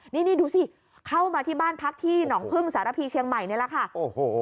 นี่นี่ดูสิเข้ามาที่บ้านพักที่หนองพึ่งสารพีเชียงใหม่นี่แหละค่ะโอ้โห